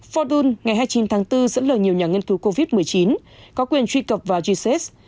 fordul ngày hai mươi chín tháng bốn dẫn lời nhiều nhà nghiên cứu covid một mươi chín có quyền truy cập vào jcex